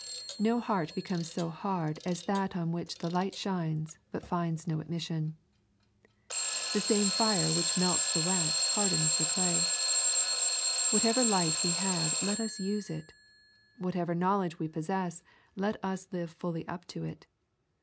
No heart becomes so hard as that on which the light shines, hut finds no admission. The same fire which melts the wax hardens the clay. Whatever light we have let us use it. Whatever knowledge we possess, let us live fully up to it.